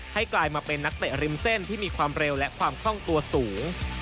กลายมาเป็นนักเตะริมเส้นที่มีความเร็วและความคล่องตัวสูง